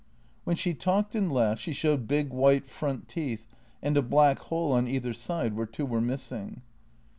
When she talked and laughed she showed big, white front teeth and a black hole on either side, where two were missing.